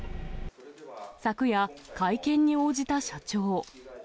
昨夜、会見に応じた社長。